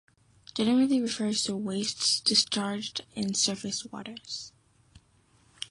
Generally refers to wastes discharged into surface waters.